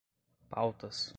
pautas